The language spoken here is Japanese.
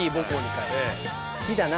好きだな。